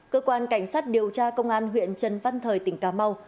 cơ quan cảnh sát điều tra công an huyện trần văn thời tỉnh cà mau